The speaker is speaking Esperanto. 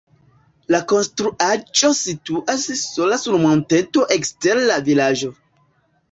La konstruaĵo situas sola sur monteto ekster la vilaĝo.